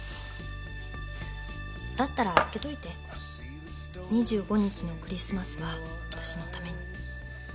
だったら空けといて２５日のクリスマスはわたしのために。